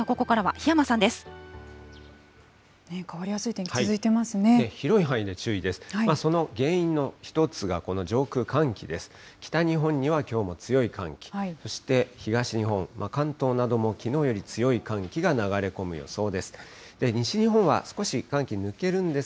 北日本にはきょうも強い寒気、そして東日本、関東などもきのうより強い寒気が流れ込む予想です。